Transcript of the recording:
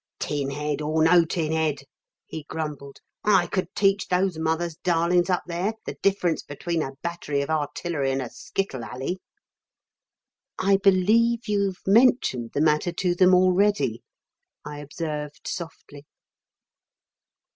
"Tin head or no tin head," he grumbled, "I could teach those mother's darlings up there the difference between a battery of artillery and a skittle ally." "I believe you've mentioned the matter to them already," I observed softly.